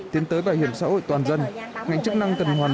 nếu như mình tham gia góp đóng là một triệu đồng